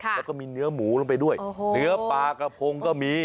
แล้วก็มีเนื้อหมูลงไปด้วยเนื้อปลากระพงก็มี